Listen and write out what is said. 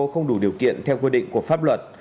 không đủ điều kiện theo quy định của pháp luật